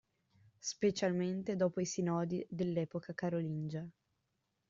Specialmente dopo i sinodi dell'epoca carolingia.